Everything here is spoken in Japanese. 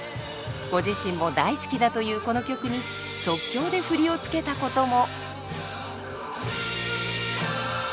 ご自身も大好きだというこの曲に即興で振りを付けたことも。